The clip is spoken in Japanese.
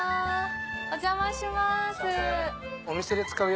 お邪魔します。